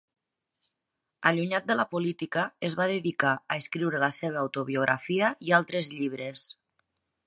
Allunyat de la política es va dedicar a escriure la seva autobiografia i altres llibres.